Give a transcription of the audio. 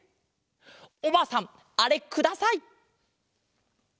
おばあさんあれください！